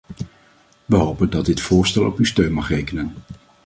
We hopen dat dit voorstel op uw steun mag rekenen.